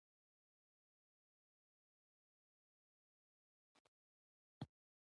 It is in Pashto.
لنګر اچولو اجازه نه ورکوله.